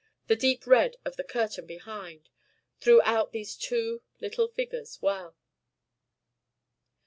The deep red of the curtain behind, threw out these two little figures well.